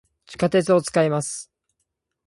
地下鉄を、使います。